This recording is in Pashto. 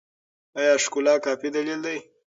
ایا ښکلا کافي دلیل دی؟